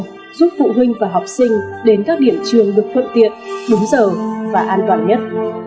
giúp phụ huynh và học sinh đến các điểm trường được thuận tiện đúng giờ và an toàn nhất